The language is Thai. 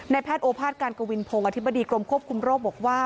แพทย์โอภาษการกวินพงศ์อธิบดีกรมควบคุมโรคบอกว่า